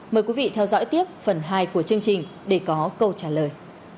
mời quý vị theo dõi tiếp phần hai của chương trình để có câu trả lời